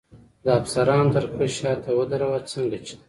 د افسرانو تر کرښې شاته ودراوه، څنګه چې.